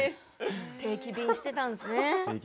定期便していたんですね。